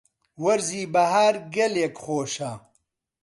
وەرزی بەهار گەلێک خۆشە.